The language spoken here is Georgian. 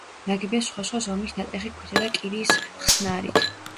ნაგებია სხვადასხვა ზომის ნატეხი ქვითა და კირის ხსნარით.